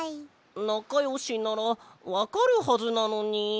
なかよしならわかるはずなのに。